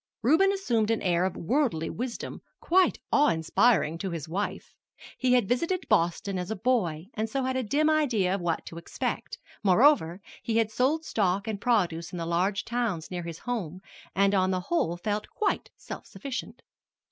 Reuben assumed an air of worldly wisdom, quite awe inspiring to his wife. He had visited Boston as a boy, and so had a dim idea of what to expect; moreover, he had sold stock and produce in the large towns near his home, and on the whole felt quite self sufficient.